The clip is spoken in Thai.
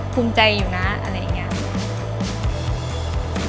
ภูมิใจอยู่นะอะไรอย่างนี้